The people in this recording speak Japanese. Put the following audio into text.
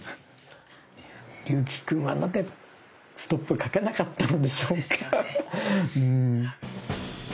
竜暉くんはなぜストップかけなかったんでしょうかうん。